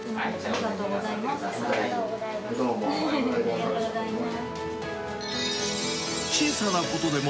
ありがとうございます。